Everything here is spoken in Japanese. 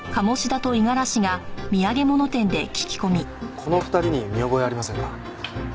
この２人に見覚えはありませんか？